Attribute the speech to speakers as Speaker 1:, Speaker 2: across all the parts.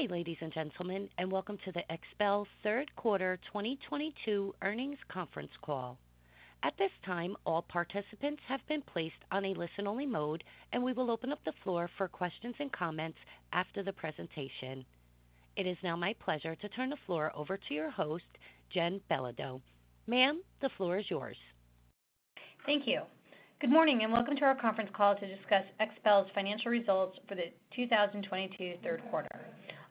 Speaker 1: Good day, ladies and gentlemen, and welcome to XPEL's Third Quarter 2022 Earnings Conference Call. At this time, all participants have been placed on a listen-only mode, and we will open up the floor for questions and comments after the presentation. It is now my pleasure to turn the floor over to your host, Jen Bellido. Ma'am, the floor is yours.
Speaker 2: Thank you. Good morning and welcome to our conference call to discuss XPEL's Financial Results for the 2022 Third Quarter.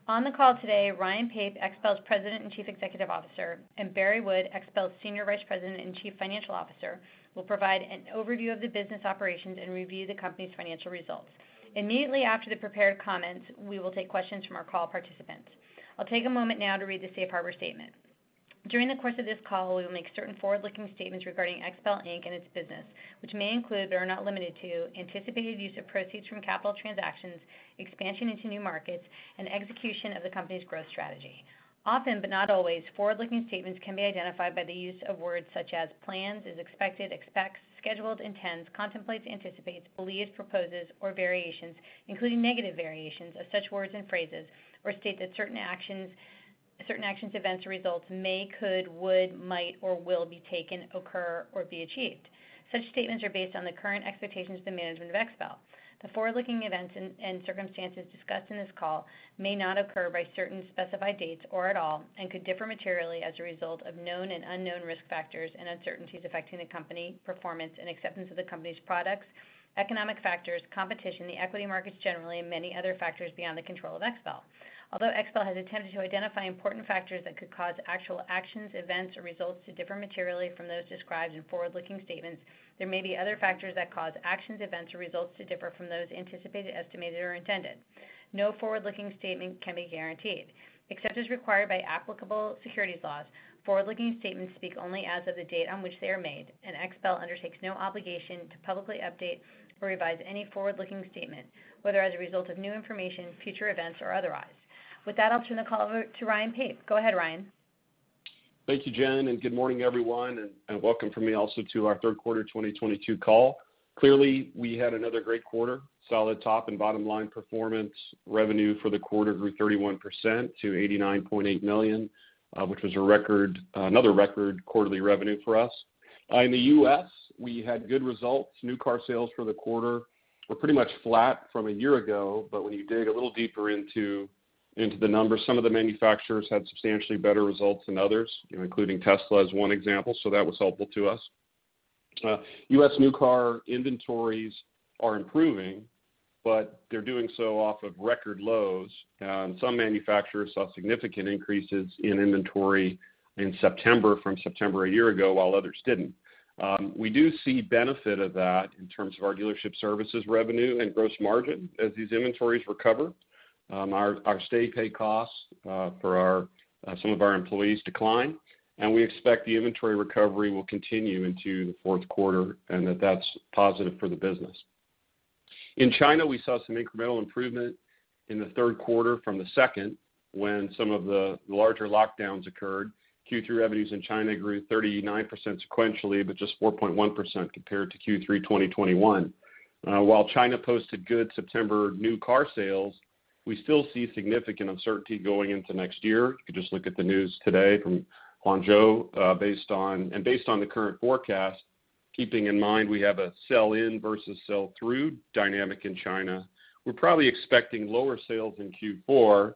Speaker 2: On the call today, Ryan Pape, XPEL's President and Chief Executive Officer, and Barry Wood, XPEL's Senior Vice President and Chief Financial Officer, will provide an overview of the business operations and review the company's financial results. Immediately after the prepared comments, we will take questions from our call participants. I'll take a moment now to read the safe harbor statement. During the course of this call, we will make certain forward-looking statements regarding XPEL, Inc. and its business, which may include, but are not limited to, anticipated use of proceeds from capital transactions, expansion into new markets, and execution of the company's growth strategy. Often, but not always, forward-looking statements can be identified by the use of words such as plans, is expected, expects, scheduled, intends, contemplates, anticipates, believes, proposes, or variations, including negative variations of such words and phrases, or state that certain actions, events, or results may, could, would, might, or will be taken, occur, or be achieved. Such statements are based on the current expectations of the management of XPEL. The forward-looking events and circumstances discussed in this call may not occur by certain specified dates or at all, and could differ materially as a result of known and unknown risk factors and uncertainties affecting the company, performance and acceptance of the company's products, economic factors, competition, the equity markets generally, and many other factors beyond the control of XPEL. Although XPEL has attempted to identify important factors that could cause actual actions, events, or results to differ materially from those described in forward-looking statements, there may be other factors that cause actions, events, or results to differ from those anticipated, estimated, or intended. No forward-looking statement can be guaranteed. Except as required by applicable securities laws, forward-looking statements speak only as of the date on which they are made, and XPEL undertakes no obligation to publicly update or revise any forward-looking statement, whether as a result of new information, future events, or otherwise. With that, I'll turn the call over to Ryan Pape. Go ahead, Ryan.
Speaker 3: Thank you, Jen, and good morning, everyone, and welcome from me also to our third quarter 2022 call. Clearly, we had another great quarter. Solid top and bottom line performance. Revenue for the quarter grew 31% to $89.8 million, which was another record quarterly revenue for us. In the U.S., we had good results. New car sales for the quarter were pretty much flat from a year ago, but when you dig a little deeper into the numbers, some of the manufacturers had substantially better results than others, including Tesla as one example, so that was helpful to us. U.S. new car inventories are improving, but they're doing so off of record lows. Some manufacturers saw significant increases in inventory in September from September a year ago, while others didn't. We do see benefit of that in terms of our dealership services revenue and gross margin as these inventories recover. Our standby pay costs for some of our employees decline, and we expect the inventory recovery will continue into the fourth quarter, and that's positive for the business. In China, we saw some incremental improvement in the third quarter from the second when some of the larger lockdowns occurred. Q2 revenues in China grew 39% sequentially, but just 4.1% compared to Q3 2021. While China posted good September new car sales, we still see significant uncertainty going into next year. You can just look at the news today from Guangzhou, and based on the current forecast, keeping in mind we have a sell-in versus sell-through dynamic in China. We're probably expecting lower sales in Q4,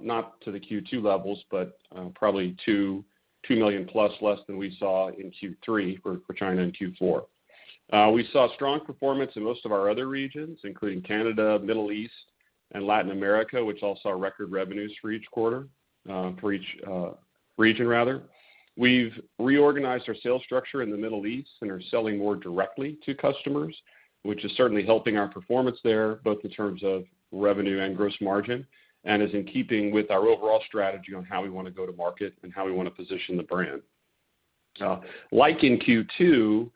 Speaker 3: not to the Q2 levels, but probably $2 million-plus less than we saw in Q3 for China in Q4. We saw strong performance in most of our other regions, including Canada, Middle East, and Latin America, which all saw record revenues for each region rather. We've reorganized our sales structure in the Middle East and are selling more directly to customers, which is certainly helping our performance there, both in terms of revenue and gross margin, and is in keeping with our overall strategy on how we wanna go to market and how we wanna position the brand. Like in Q2,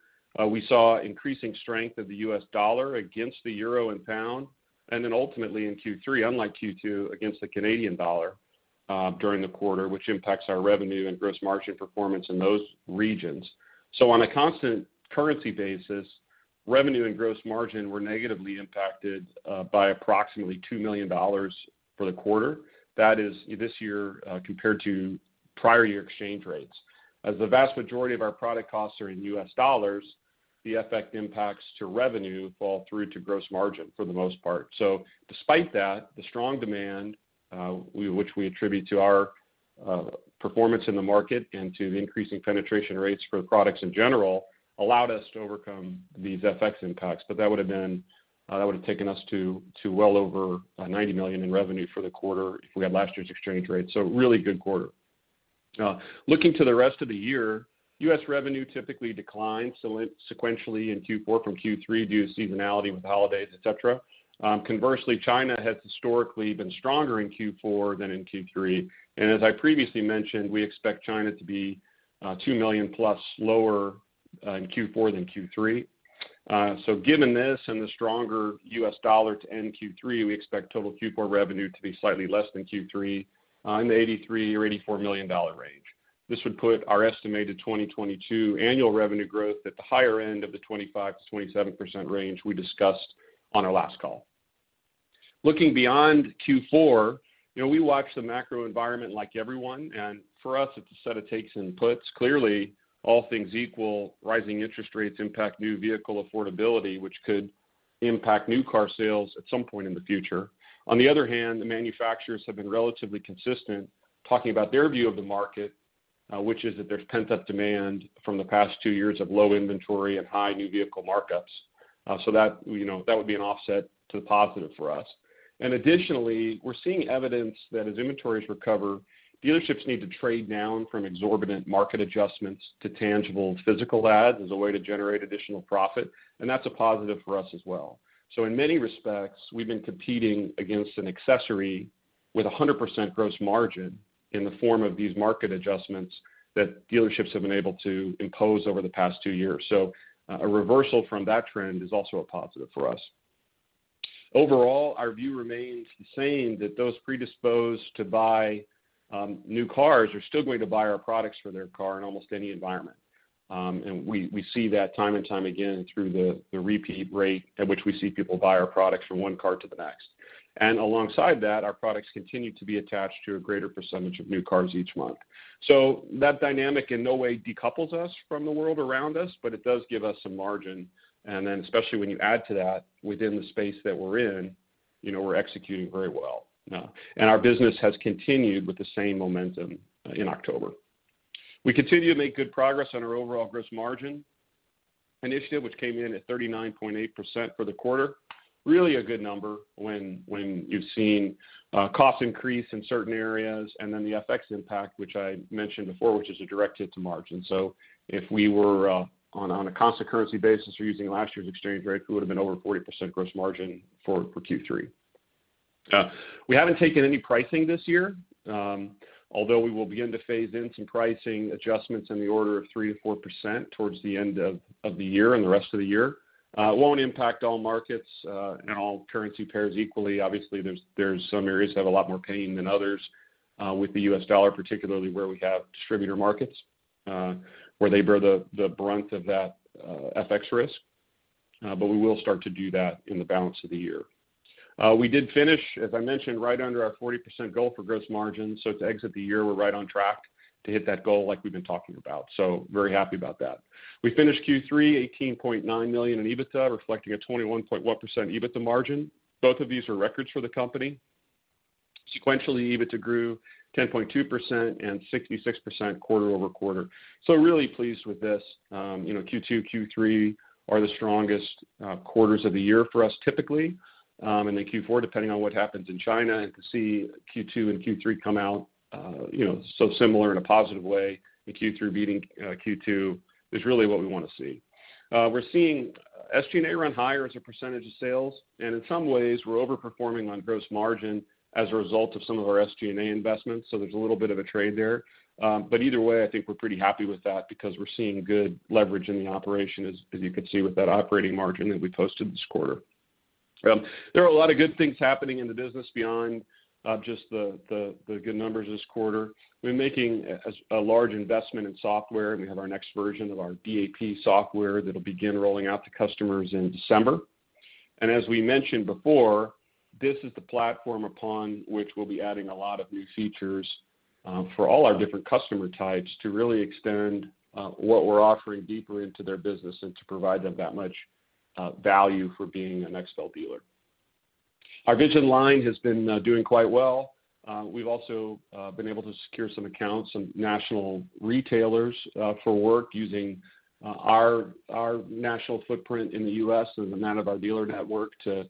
Speaker 3: we saw increasing strength of the U.S. dollar against the euro and pound, and then ultimately in Q3, unlike Q2, against the Canadian dollar, during the quarter, which impacts our revenue and gross margin performance in those regions. On a constant currency basis, revenue and gross margin were negatively impacted by approximately $2 million for the quarter. That is this year, compared to prior year exchange rates. As the vast majority of our product costs are in U.S. dollars, the effect impacts to revenue fall through to gross margin for the most part. Despite that, the strong demand, which we attribute to our performance in the market and to increasing penetration rates for the products in general, allowed us to overcome these FX impacts. That would have taken us to well over $90 million in revenue for the quarter if we had last year's exchange rate. Really good quarter. Looking to the rest of the year, US revenue typically declines sequentially in Q4 from Q3 due to seasonality with holidays, et cetera. Conversely, China has historically been stronger in Q4 than in Q3. As I previously mentioned, we expect China to be $2 million plus lower in Q4 than Q3. Given this and the stronger US dollar to end Q3, we expect total Q4 revenue to be slightly less than Q3 in the $83-$84 million range. This would put our estimated 2022 annual revenue growth at the higher end of the 25%-27% range we discussed on our last call. Looking beyond Q4, you know, we watch the macro environment like everyone, and for us it's a set of takes and puts. Clearly, all things equal, rising interest rates impact new vehicle affordability, which could impact new car sales at some point in the future. On the other hand, the manufacturers have been relatively consistent talking about their view of the market, which is that there's pent-up demand from the past two years of low inventory and high new vehicle markups. So that, you know, that would be an offset to the positive for us. Additionally, we're seeing evidence that as inventories recover, dealerships need to trade down from exorbitant market adjustments to tangible physical adds as a way to generate additional profit, and that's a positive for us as well. In many respects, we've been competing against an accessory with 100% gross margin in the form of these market adjustments that dealerships have been able to impose over the past two years. A reversal from that trend is also a positive for us. Overall, our view remains the same, that those predisposed to buy new cars are still going to buy our products for their car in almost any environment. We see that time and time again through the repeat rate at which we see people buy our products from one car to the next. Alongside that, our products continue to be attached to a greater percentage of new cars each month. That dynamic in no way decouples us from the world around us, but it does give us some margin, and then especially when you add to that within the space that we're in, you know, we're executing very well. Our business has continued with the same momentum in October. We continue to make good progress on our overall gross margin initiative, which came in at 39.8% for the quarter. Really a good number when you've seen costs increase in certain areas and then the FX impact, which I mentioned before, which is a direct hit to margin. If we were on a constant currency basis or using last year's exchange rate, we would've been over 40% gross margin for Q3. We haven't taken any pricing this year, although we will begin to phase in some pricing adjustments in the order of 3%-4% towards the end of the year and the rest of the year. It won't impact all markets and all currency pairs equally. Obviously, there are some areas that have a lot more pain than others with the U.S. dollar, particularly where we have distributor markets where they bear the brunt of that FX risk. But we will start to do that in the balance of the year. We did finish, as I mentioned, right under our 40% goal for gross margin. To exit the year, we're right on track to hit that goal like we've been talking about. Very happy about that. We finished Q3 $18.9 million in EBITDA, reflecting a 21.9% EBITDA margin. Both of these are records for the company. Sequentially, EBITDA grew 10.2% and 66% quarter-over-quarter. Really pleased with this. You know, Q2, Q3 are the strongest quarters of the year for us typically, and then Q4, depending on what happens in China. To see Q2 and Q3 come out, you know, so similar in a positive way, and Q3 beating Q2 is really what we wanna see. We're seeing SG&A run higher as a percentage of sales, and in some ways, we're overperforming on gross margin as a result of some of our SG&A investments, so there's a little bit of a trade there. Either way, I think we're pretty happy with that because we're seeing good leverage in the operation as you could see with that operating margin that we posted this quarter. There are a lot of good things happening in the business beyond just the good numbers this quarter. We're making a large investment in software. We have our next version of our DAP software that'll begin rolling out to customers in December. As we mentioned before, this is the platform upon which we'll be adding a lot of new features for all our different customer types to really extend what we're offering deeper into their business and to provide them that much value for being an XPEL dealer. Our VISION line has been doing quite well. We've also been able to secure some accounts, some national retailers, for work using our national footprint in the U.S. and the amount of our dealer network to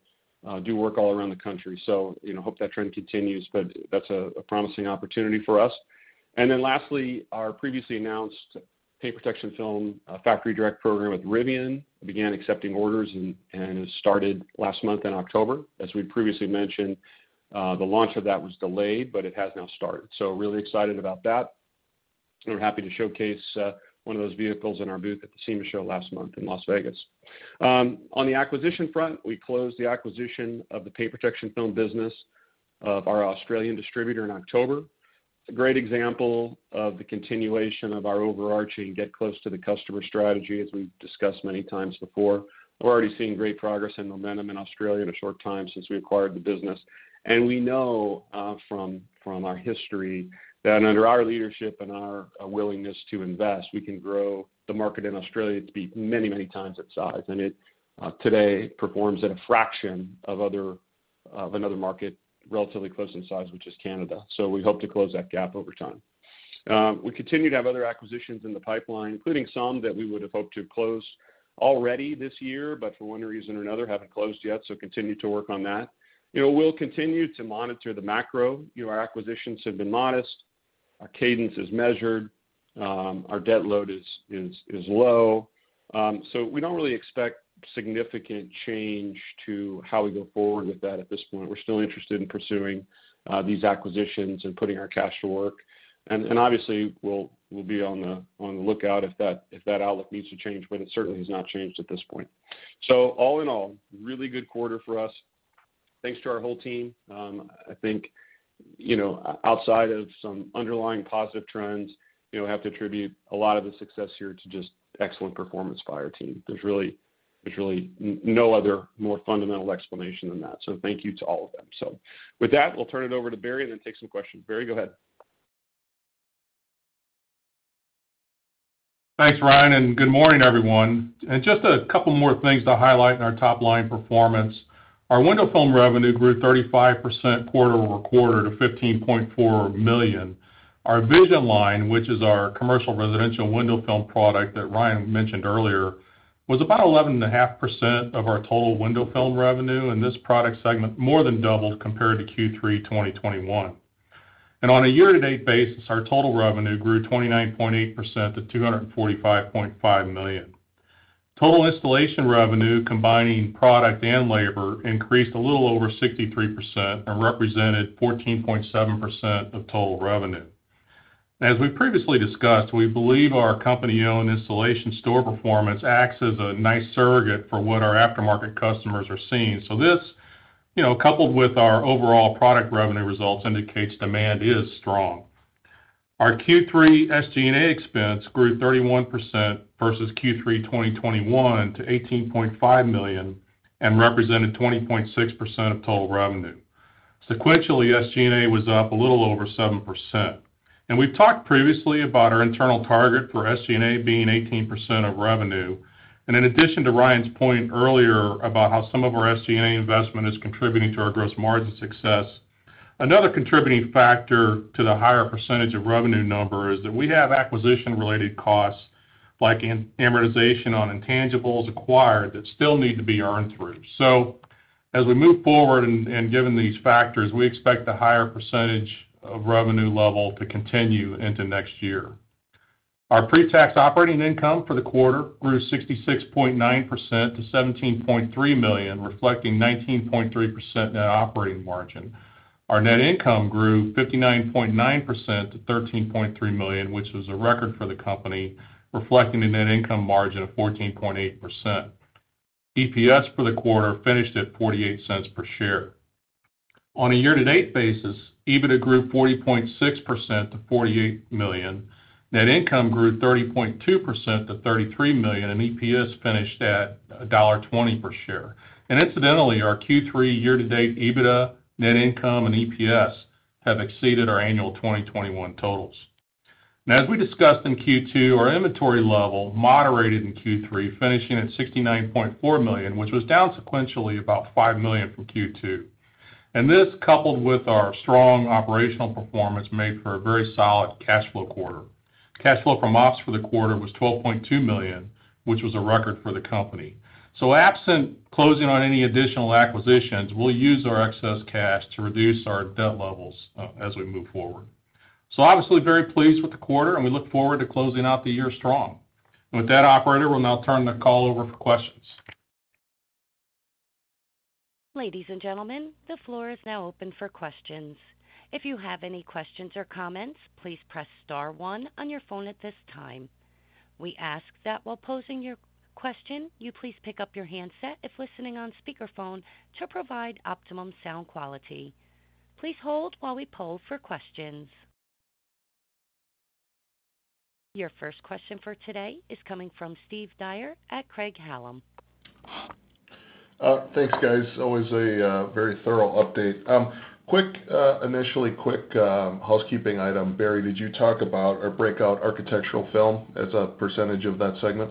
Speaker 3: do work all around the country. You know, hope that trend continues, but that's a promising opportunity for us. Lastly, our previously announced paint protection film factory direct program with Rivian began accepting orders and it started last month in October. As we previously mentioned, the launch of that was delayed, but it has now started, so really excited about that. We're happy to showcase one of those vehicles in our booth at the SEMA Show last month in Las Vegas. On the acquisition front, we closed the acquisition of the paint protection film business of our Australian distributor in October. It's a great example of the continuation of our overarching get close to the customer strategy, as we've discussed many times before. We're already seeing great progress and momentum in Australia in a short time since we acquired the business. We know from our history that under our leadership and our willingness to invest, we can grow the market in Australia to be many, many times its size. It today performs at a fraction of another market relatively close in size, which is Canada. We hope to close that gap over time. We continue to have other acquisitions in the pipeline, including some that we would've hoped to close already this year, but for one reason or another, haven't closed yet, so continue to work on that. You know, we'll continue to monitor the macro. You know, our acquisitions have been modest. Our cadence is measured. Our debt load is low. We don't really expect significant change to how we go forward with that at this point. We're still interested in pursuing these acquisitions and putting our cash to work. And obviously, we'll be on the lookout if that outlook needs to change, but it certainly has not changed at this point. All in all, really good quarter for us. Thanks to our whole team. I think, you know, outside of some underlying positive trends, you know, have to attribute a lot of the success here to just excellent performance by our team. There's really no other more fundamental explanation than that. Thank you to all of them. With that, we'll turn it over to Barry and then take some questions. Barry, go ahead.
Speaker 4: Thanks, Ryan, and good morning, everyone. Just a couple more things to highlight in our top line performance. Our window film revenue grew 35% quarter-over-quarter to $15.4 million. Our VISION line, which is our commercial residential window film product that Ryan mentioned earlier, was about 11.5% of our total window film revenue, and this product segment more than doubled compared to Q3 2021. On a year-to-date basis, our total revenue grew 29.8% to $245.5 million. Total installation revenue, combining product and labor, increased a little over 63% and represented 14.7% of total revenue. As we previously discussed, we believe our company-owned installation store performance acts as a nice surrogate for what our aftermarket customers are seeing. This, you know, coupled with our overall product revenue results, indicates demand is strong. Our Q3 SG&A expense grew 31% versus Q3 2021 to $18.5 million and represented 20.6% of total revenue. Sequentially, SG&A was up a little over 7%. We've talked previously about our internal target for SG&A being 18% of revenue, and in addition to Ryan's point earlier about how some of our SG&A investment is contributing to our gross margin success, another contributing factor to the higher percentage of revenue number is that we have acquisition-related costs like amortization on intangibles acquired that still need to be earned through. As we move forward and given these factors, we expect the higher percentage of revenue level to continue into next year. Our pre-tax operating income for the quarter grew 66.9% to $17.3 million, reflecting 19.3% net operating margin. Our net income grew 59.9% to $13.3 million, which was a record for the company, reflecting a net income margin of 14.8%. EPS for the quarter finished at $0.48 per share. On a year-to-date basis, EBITDA grew 40.6% to $48 million. Net income grew 30.2% to $33 million, and EPS finished at $1.20 per share. Incidentally, our Q3 year-to-date EBITDA, net income, and EPS have exceeded our annual 2021 totals. Now as we discussed in Q2, our inventory level moderated in Q3, finishing at $69.4 million, which was down sequentially about $5 million from Q2. This, coupled with our strong operational performance, made for a very solid cash flow quarter. Cash flow from Ops for the quarter was $12.2 million, which was a record for the company. Absent closing on any additional acquisitions, we'll use our excess cash to reduce our debt levels, as we move forward. Obviously very pleased with the quarter, and we look forward to closing out the year strong. With that, operator, we'll now turn the call over for questions.
Speaker 1: Ladies and gentlemen, the floor is now open for questions. If you have any questions or comments, please press star one on your phone at this time. We ask that while posing your question, you please pick up your handset if listening on speakerphone to provide optimum sound quality. Please hold while we poll for questions. Your first question for today is coming from Steve Dyer at Craig-Hallum.
Speaker 5: Thanks, guys. Always a very thorough update. Quick housekeeping item. Barry, did you talk about or break out architectural film as a percentage of that segment?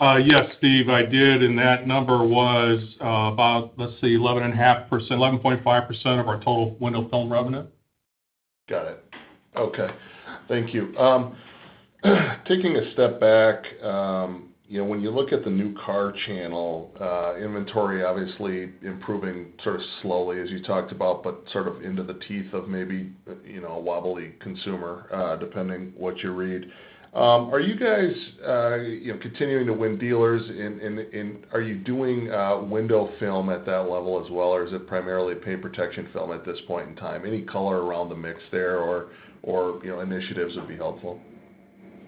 Speaker 4: Yes, Steve, I did, and that number was, about, let's see, 11.5%, 11.5% of our total window film revenue.
Speaker 5: Got it. Okay. Thank you. Taking a step back, you know, when you look at the new car channel, inventory obviously improving sort of slowly as you talked about, but sort of into the teeth of maybe, you know, a wobbly consumer, depending on what you read. Are you guys, you know, continuing to win dealers in. Are you doing window film at that level as well, or is it primarily paint protection film at this point in time? Any color around the mix there or, you know, initiatives would be helpful.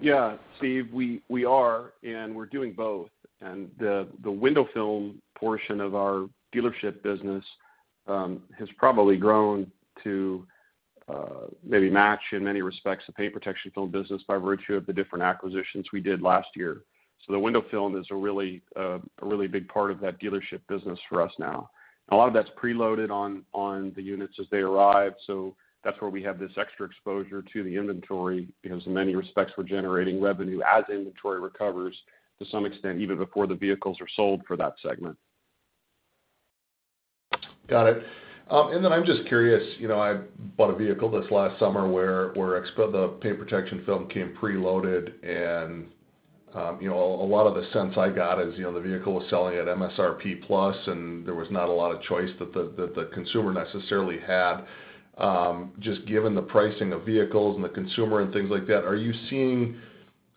Speaker 3: Yeah. Steve, we are, and we're doing both. The window film portion of our dealership business has probably grown to maybe match in many respects the paint protection film business by virtue of the different acquisitions we did last year. The window film is a really big part of that dealership business for us now. A lot of that's preloaded on the units as they arrive, so that's where we have this extra exposure to the inventory because in many respects we're generating revenue as inventory recovers to some extent even before the vehicles are sold for that segment.
Speaker 5: Got it. I'm just curious, you know, I bought a vehicle this last summer where XPEL, the paint protection film came preloaded and, you know, a lot of the sense I got is, you know, the vehicle was selling at MSRP plus, and there was not a lot of choice that the consumer necessarily had. Just given the pricing of vehicles and the consumer and things like that, are you seeing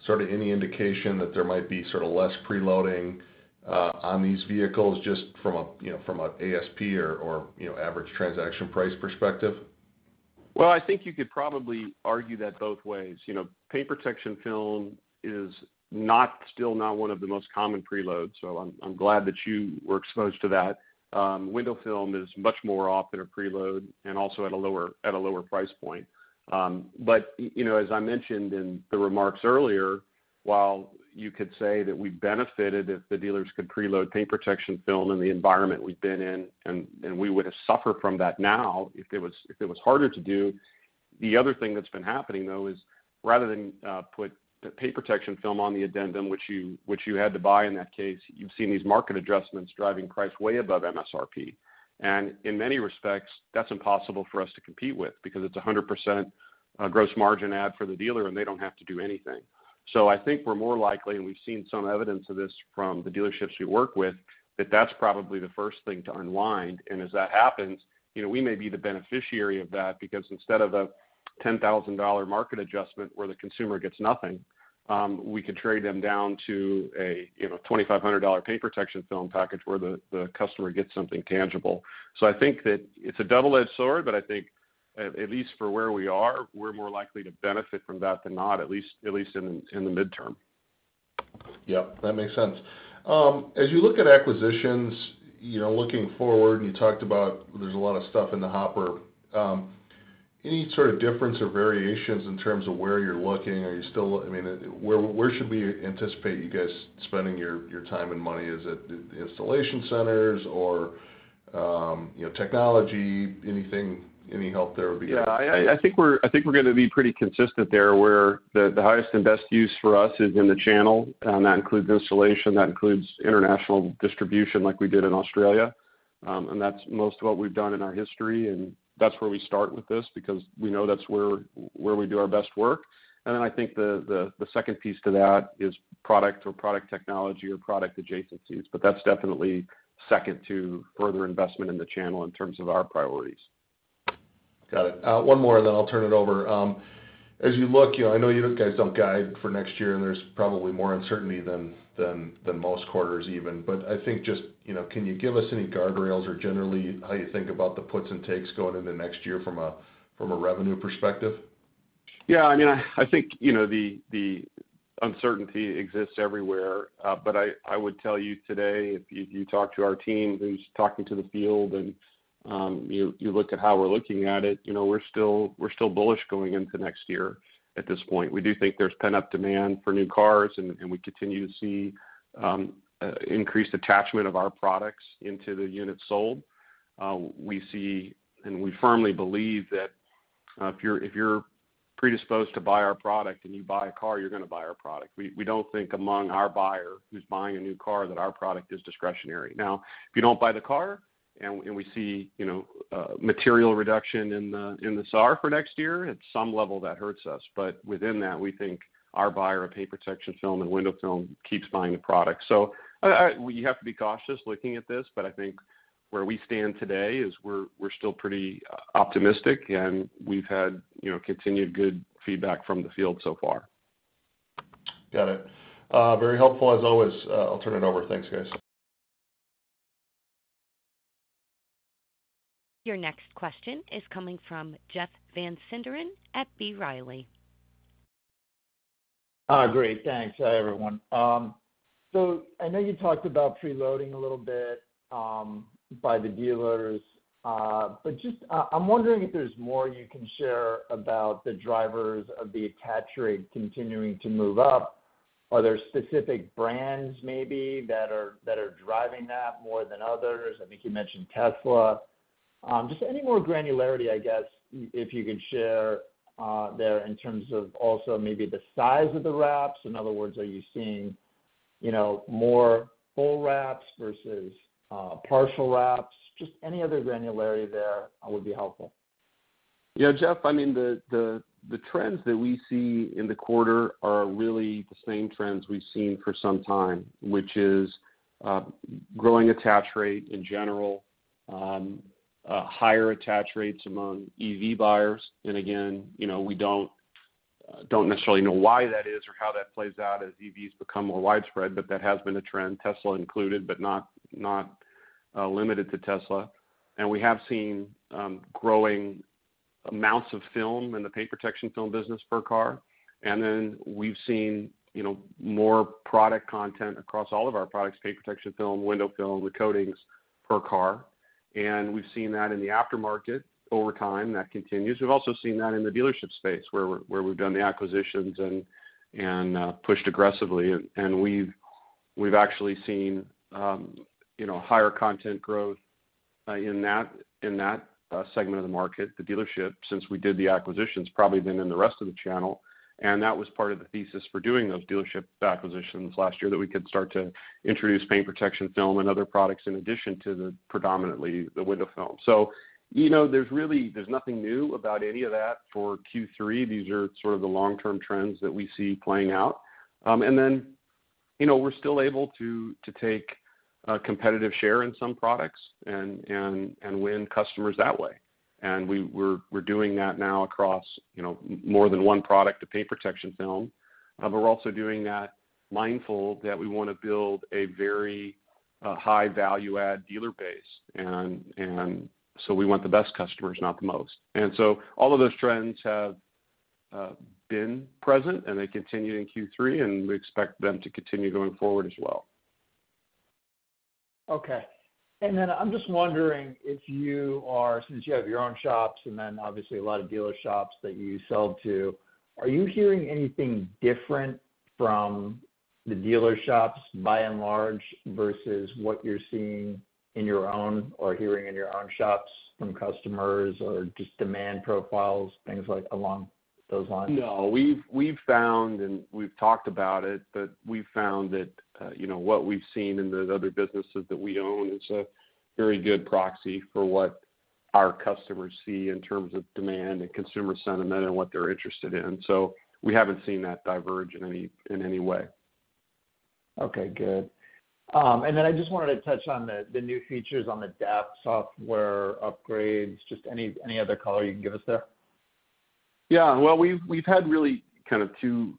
Speaker 5: sort of any indication that there might be sort of less preloading on these vehicles just from a, you know, from a ASP or, you know, average transaction price perspective?
Speaker 3: Well, I think you could probably argue that both ways. You know, paint protection film is still not one of the most common preloads, so I'm glad that you were exposed to that. Window film is much more often a preload and also at a lower price point. You know, as I mentioned in the remarks earlier, while you could say that we benefited if the dealers could preload paint protection film in the environment we've been in and we would have suffered from that now if it was harder to do. The other thing that's been happening, though, is rather than put the paint protection film on the addendum, which you had to buy in that case, you've seen these market adjustments driving price way above MSRP. In many respects, that's impossible for us to compete with because it's 100% gross margin add for the dealer and they don't have to do anything. I think we're more likely, and we've seen some evidence of this from the dealerships we work with, that that's probably the first thing to unwind. As that happens, you know, we may be the beneficiary of that because instead of a $10,000 market adjustment where the consumer gets nothing, we could trade them down to a, you know, $2,500 paint protection film package where the customer gets something tangible. I think that it's a double-edged sword, but I think at least for where we are, we're more likely to benefit from that than not, at least in the midterm.
Speaker 5: Yep, that makes sense. As you look at acquisitions, you know, looking forward, you talked about there's a lot of stuff in the hopper. Any sort of difference or variations in terms of where you're looking? I mean, where should we anticipate you guys spending your time and money? Is it the installation centers or, you know, technology? Anything, any help there would be helpful.
Speaker 3: Yeah, I think we're gonna be pretty consistent there, where the highest and best use for us is in the channel, and that includes installation, that includes international distribution like we did in Australia. That's most of what we've done in our history, and that's where we start with this because we know that's where we do our best work. I think the second piece to that is product or product technology or product adjacencies. That's definitely second to further investment in the channel in terms of our priorities.
Speaker 5: Got it. One more and then I'll turn it over. As you look, you know, I know you guys don't guide for next year, and there's probably more uncertainty than most quarters even. I think just, you know, can you give us any guardrails or generally how you think about the puts and takes going into next year from a revenue perspective?
Speaker 3: Yeah, I mean, I think, you know, the uncertainty exists everywhere. I would tell you today, if you talk to our team who's talking to the field and you look at how we're looking at it, you know, we're still bullish going into next year at this point. We do think there's pent-up demand for new cars and we continue to see increased attachment of our products into the units sold. We see and we firmly believe that, if you're predisposed to buy our product and you buy a car, you're gonna buy our product. We don't think among our buyer who's buying a new car that our product is discretionary. Now, if you don't buy the car and we see, you know, material reduction in the SAR for next year, at some level that hurts us. Within that, we think our buyer of paint protection film and window film keeps buying the product. We have to be cautious looking at this, but I think where we stand today is we're still pretty optimistic, and we've had, you know, continued good feedback from the field so far.
Speaker 5: Got it. Very helpful as always. I'll turn it over. Thanks, guys.
Speaker 1: Your next question is coming from Jeff Van Sinderen at B. Riley.
Speaker 6: Great. Thanks. Hi, everyone. I know you talked about preloading a little bit by the dealers. I'm wondering if there's more you can share about the drivers of the attach rate continuing to move up. Are there specific brands maybe that are driving that more than others? I think you mentioned Tesla. Just any more granularity, I guess, if you could share there in terms of also maybe the size of the wraps. In other words, are you seeing, you know, more full wraps versus partial wraps? Just any other granularity there would be helpful.
Speaker 3: Yeah, Jeff, I mean, the trends that we see in the quarter are really the same trends we've seen for some time, which is growing attach rate in general, higher attach rates among EV buyers. Again, you know, we don't necessarily know why that is or how that plays out as EVs become more widespread, but that has been a trend, Tesla included, but not limited to Tesla. We have seen growing amounts of film in the paint protection film business per car. Then we've seen, you know, more product content across all of our products, paint protection film, window film, the coatings per car. We've seen that in the aftermarket over time. That continues. We've also seen that in the dealership space where we've done the acquisitions and pushed aggressively. We've actually seen you know, higher content growth in that segment of the market, the dealership, since we did the acquisitions probably than in the rest of the channel. That was part of the thesis for doing those dealership acquisitions last year that we could start to introduce paint protection film and other products in addition to predominantly the window film. You know, there's really nothing new about any of that for Q3. These are sort of the long-term trends that we see playing out. You know, we're still able to take competitive share in some products and win customers that way. We're doing that now across you know, more than one product, the paint protection film. We're also doing that mindful that we wanna build a very high value add dealer base. We want the best customers, not the most. All of those trends have been present and they continue in Q3, and we expect them to continue going forward as well.
Speaker 6: Okay. I'm just wondering if you are—since you have your own shops and then obviously a lot of dealer shops that you sell to, are you hearing anything different from the dealer shops by and large versus what you're seeing in your own or hearing in your own shops from customers or just demand profiles, things like along those lines?
Speaker 3: No. We've found and we've talked about it, but we've found that, you know, what we've seen in the other businesses that we own is a very good proxy for what our customers see in terms of demand and consumer sentiment and what they're interested in. So we haven't seen that diverge in any way.
Speaker 6: Okay, good. I just wanted to touch on the new features on the DAP software upgrades. Just any other color you can give us there?
Speaker 3: Yeah. Well, we've had really kind of two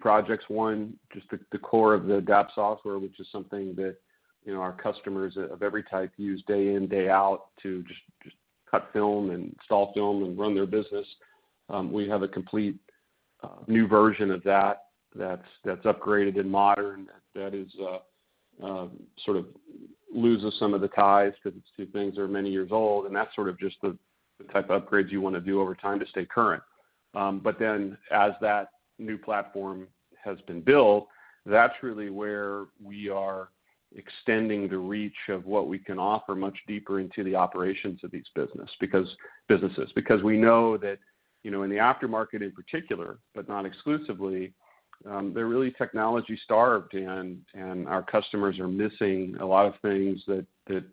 Speaker 3: projects. One, just the core of the DAP software, which is something that, you know, our customers of every type use day in, day out to just cut film and install film and run their business. We have a complete new version of that's upgraded and modern, that is sort of loses some of the ties because it's two things that are many years old, and that's sort of just the type of upgrades you wanna do over time to stay current. As that new platform has been built, that's really where we are extending the reach of what we can offer much deeper into the operations of these businesses. Because we know that, you know, in the aftermarket in particular, but not exclusively, they're really technology starved and our customers are missing a lot of things that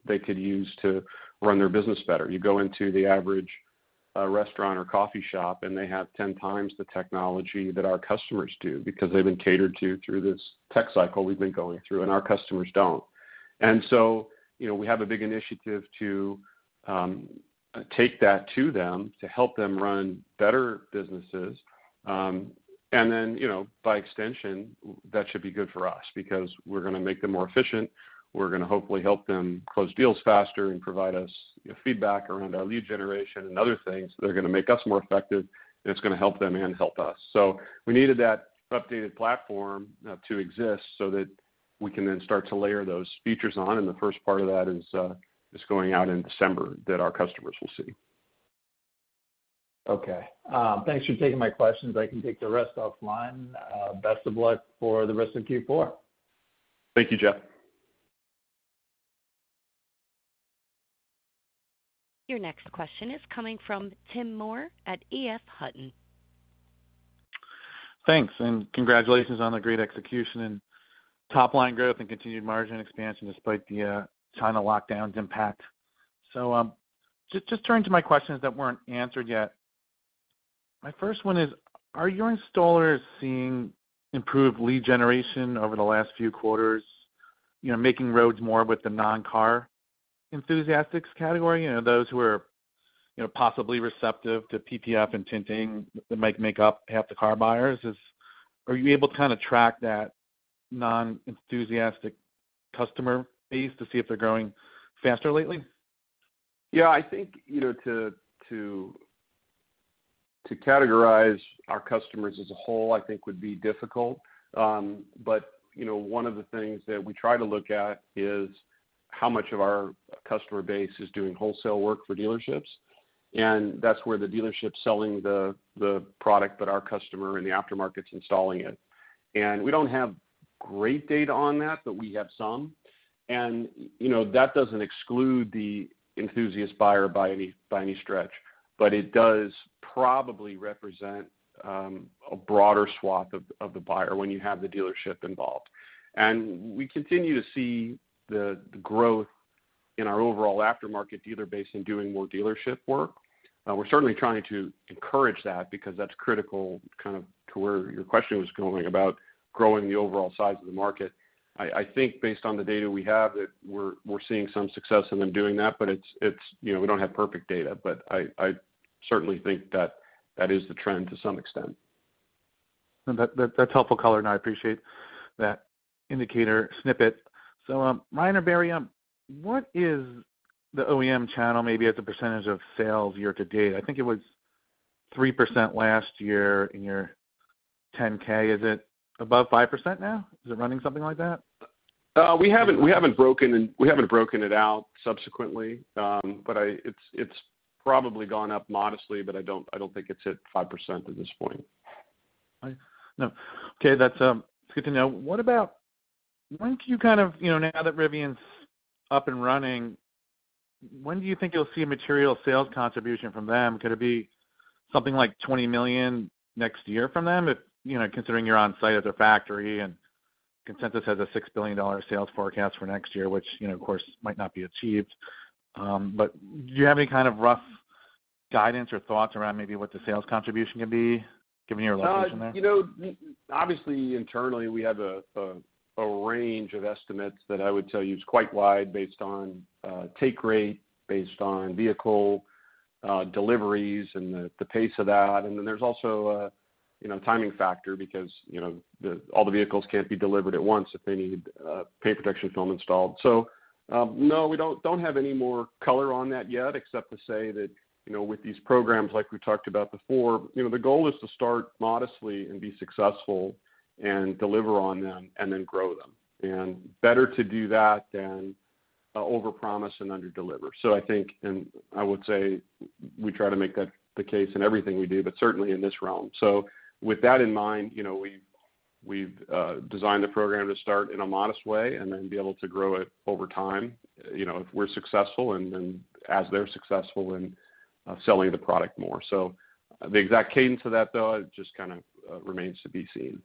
Speaker 3: they could use to run their business better. You go into the average restaurant or coffee shop, and they have ten times the technology that our customers do because they've been catered to through this tech cycle we've been going through, and our customers don't. You know, we have a big initiative to take that to them to help them run better businesses. You know, by extension that should be good for us because we're gonna make them more efficient. We're gonna hopefully help them close deals faster and provide us feedback around our lead generation and other things that are gonna make us more effective, and it's gonna help them and help us. We needed that updated platform to exist so that we can then start to layer those features on, and the first part of that is going out in December that our customers will see.
Speaker 6: Okay. Thanks for taking my questions. I can take the rest offline. Best of luck for the rest of Q4.
Speaker 3: Thank you, Jeff.
Speaker 1: Your next question is coming from Tim Moore at E.F. Hutton.
Speaker 7: Thanks, and congratulations on the great execution and top line growth and continued margin expansion despite the China lockdowns impact. Just turning to my questions that weren't answered yet. My first one is, are your installers seeing improved lead generation over the last few quarters, you know, making inroads more with the non-car enthusiasts category? You know, those who are, you know, possibly receptive to PPF and tinting that might make up half the car buyers. Are you able to kind of track that non-enthusiast customer base to see if they're growing faster lately?
Speaker 3: Yeah, I think, you know, to categorize our customers as a whole I think would be difficult. But, you know, one of the things that we try to look at is how much of our customer base is doing wholesale work for dealerships, and that's where the dealership's selling the product that our customer in the aftermarket's installing it. We don't have great data on that, but we have some. You know, that doesn't exclude the enthusiast buyer by any stretch, but it does probably represent a broader swath of the buyer when you have the dealership involved. We continue to see the growth in our overall aftermarket dealer base in doing more dealership work. We're certainly trying to encourage that because that's critical kind of to where your question was going about growing the overall size of the market. I think based on the data we have that we're seeing some success in them doing that, but it's, you know, we don't have perfect data, but I certainly think that is the trend to some extent.
Speaker 7: That's helpful color, and I appreciate that indicator snippet. Ryan or Barry, what is the OEM channel maybe as a percentage of sales year to date? I think it was 3% last year in your 10-K. Is it above 5% now? Is it running something like that?
Speaker 3: We haven't broken it out subsequently. But it's probably gone up modestly, but I don't think it's hit 5% at this point.
Speaker 7: No. Okay, that's good to know. What about when do you kind of, you know, now that Rivian's up and running, when do you think you'll see material sales contribution from them? Could it be something like $20 million next year from them if, you know, considering you're on site at their factory and consensus has a $6 billion sales forecast for next year, which, you know, of course might not be achieved. Do you have any kind of rough guidance or thoughts around maybe what the sales contribution can be given your location there?
Speaker 3: You know, obviously internally, we have a range of estimates that I would tell you is quite wide based on take rate, based on vehicle deliveries and the pace of that. There's also you know, timing factor because, you know, all the vehicles can't be delivered at once if they need paint protection film installed. No, we don't have any more color on that yet except to say that, you know, with these programs like we talked about before, you know, the goal is to start modestly and be successful and deliver on them and then grow them. Better to do that than overpromise and under-deliver. I think, and I would say we try to make that the case in everything we do, but certainly in this realm. With that in mind, you know, we've designed the program to start in a modest way and then be able to grow it over time, you know, if we're successful and then as they're successful in selling the product more. The exact cadence of that, though, just kind of remains to be seen.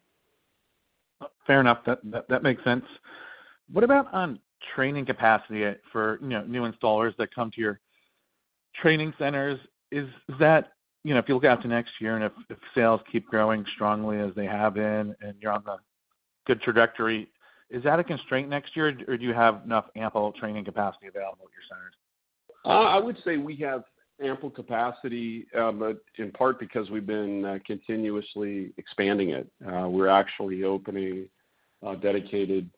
Speaker 7: Fair enough. That makes sense. What about on training capacity for you know new installers that come to your training centers? You know, if you look out to next year and if sales keep growing strongly as they have been and you're on the good trajectory, is that a constraint next year or do you have enough ample training capacity available at your centers?
Speaker 3: I would say we have ample capacity, in part because we've been continuously expanding it. We're actually opening dedicated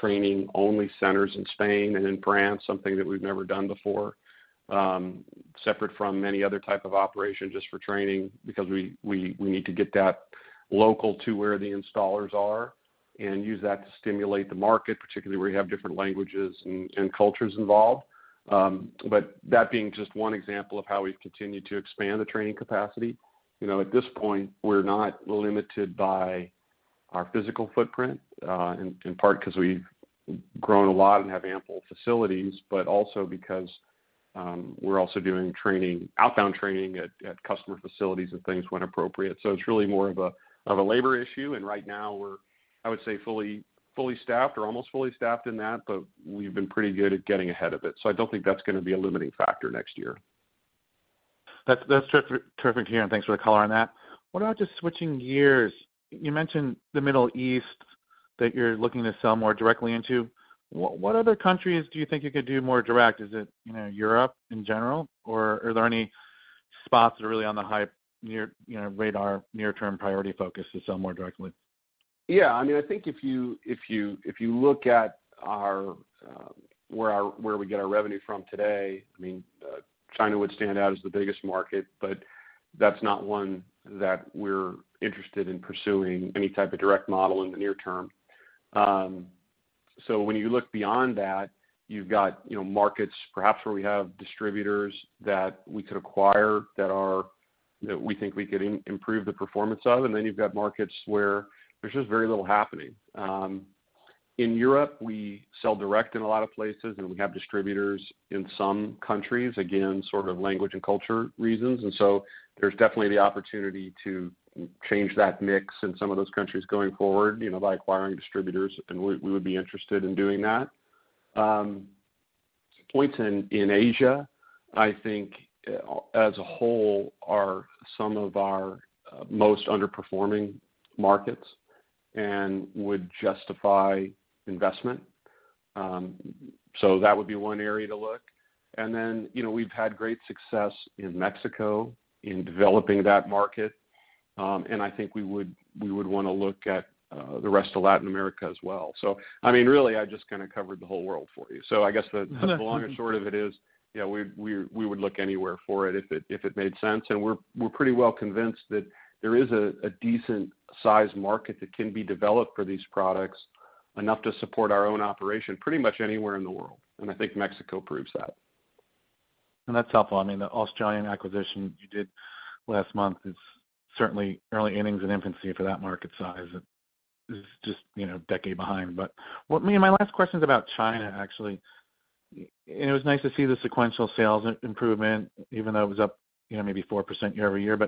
Speaker 3: training-only centers in Spain and in France, something that we've never done before, separate from any other type of operation just for training because we need to get that local to where the installers are and use that to stimulate the market, particularly where you have different languages and cultures involved. That being just one example of how we've continued to expand the training capacity. You know, at this point, we're not limited by our physical footprint, in part 'cause we've grown a lot and have ample facilities, but also because we're also doing training, outbound training at customer facilities and things when appropriate. It's really more of a labor issue, and right now we're, I would say, fully staffed or almost fully staffed in that, but we've been pretty good at getting ahead of it. I don't think that's gonna be a limiting factor next year.
Speaker 7: That's terrific to hear, and thanks for the color on that. What about just switching gears? You mentioned the Middle East that you're looking to sell more directly into. What other countries do you think you could do more direct? Is it, you know, Europe in general, or are there any spots that are really on the high near, you know, radar near-term priority focus to sell more directly?
Speaker 3: Yeah. I mean, I think if you look at where we get our revenue from today, I mean, China would stand out as the biggest market, but that's not one that we're interested in pursuing any type of direct model in the near term. When you look beyond that, you've got, you know, markets perhaps where we have distributors that we could acquire that we think we can improve the performance of, and then you've got markets where there's just very little happening. In Europe, we sell direct in a lot of places, and we have distributors in some countries, again, sort of language and culture reasons. There's definitely the opportunity to change that mix in some of those countries going forward, you know, by acquiring distributors, and we would be interested in doing that. Points in Asia, I think, as a whole are some of our most underperforming markets and would justify investment. That would be one area to look. You know, we've had great success in Mexico in developing that market, and I think we would wanna look at the rest of Latin America as well. I mean, really, I just kinda covered the whole world for you. I guess the long and short of it is, yeah, we would look anywhere for it if it made sense. We're pretty well convinced that there is a decent size market that can be developed for these products, enough to support our own operation pretty much anywhere in the world, and I think Mexico proves that.
Speaker 7: That's helpful. I mean, the Australian acquisition you did last month is certainly early innings in infancy for that market size. It is just, you know, a decade behind. What I mean, my last question's about China, actually. It was nice to see the sequential sales improvement, even though it was up, you know, maybe 4% year-over-year.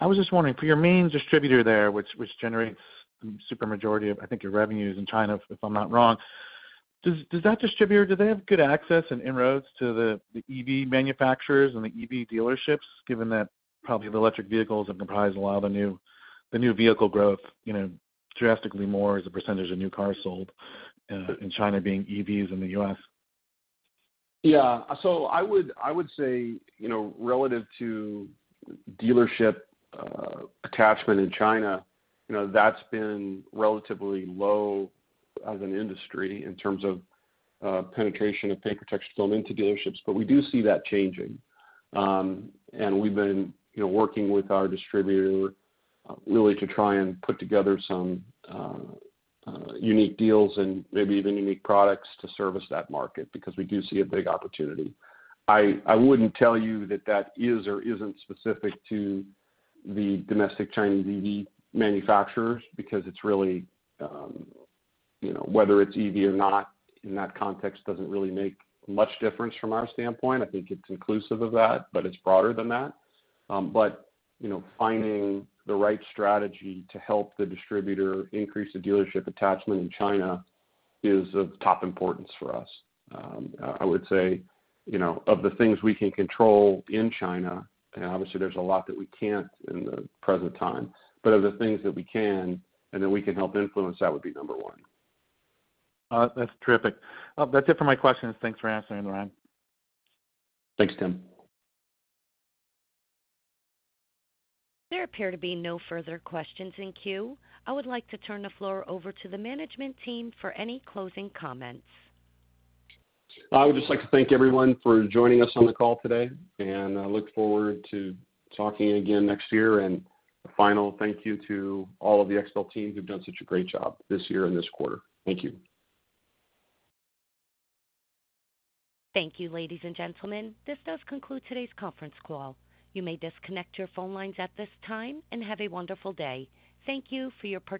Speaker 7: I was just wondering, for your main distributor there, which generates supermajority of, I think, your revenues in China, if I'm not wrong, does that distributor have good access and inroads to the EV manufacturers and the EV dealerships, given that probably the electric vehicles comprise a lot of the new vehicle growth, you know, drastically more as a percentage of new cars sold in China being EVs in the U.S.?
Speaker 3: Yeah. I would say, you know, relative to dealership attachment in China, you know, that's been relatively low as an industry in terms of penetration of paint protection film into dealerships, but we do see that changing. We've been, you know, working with our distributor really to try and put together some unique deals and maybe even unique products to service that market because we do see a big opportunity. I wouldn't tell you that that is or isn't specific to the domestic Chinese EV manufacturers because it's really, you know, whether it's EV or not in that context doesn't really make much difference from our standpoint. I think it's inclusive of that, but it's broader than that. You know, finding the right strategy to help the distributor increase the dealership attachment in China is of top importance for us. I would say, you know, of the things we can control in China, and obviously there's a lot that we can't in the present time, but of the things that we can and that we can help influence, that would be number one.
Speaker 7: That's terrific. That's it for my questions. Thanks for answering, Ryan.
Speaker 3: Thanks, Tim.
Speaker 1: There appear to be no further questions in queue. I would like to turn the floor over to the management team for any closing comments.
Speaker 3: I would just like to thank everyone for joining us on the call today, and I look forward to talking again next year. A final thank you to all of the XPEL team who've done such a great job this year and this quarter. Thank you.
Speaker 1: Thank you, ladies and gentlemen. This does conclude today's conference call. You may disconnect your phone lines at this time, and have a wonderful day. Thank you for your participation.